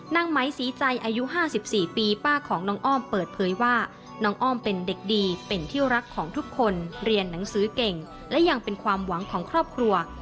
นางไหมศรีใจอายุ๕๔ปีป้าของน้องอ้อมเปิดเผยว่าน้องอ้อมเป็นเด็กดีเป็นที่รักของทุกคนเรียนหนังสือเก่งและยังเป็นความหวังของครอบครัว